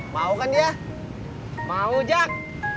mau kan dia mau jak